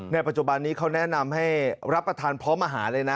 ปัจจุบันนี้เขาแนะนำให้รับประทานพร้อมอาหารเลยนะ